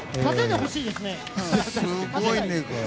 すごいね、これ。